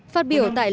phát biểu tại lễ